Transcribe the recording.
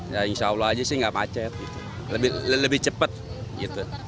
ya insya allah aja sih nggak macet gitu lebih cepat gitu